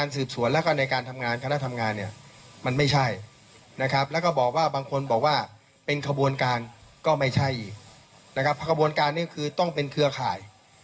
ถึงว่ากระบวนการนี้ต้องเป็นเครือข่าย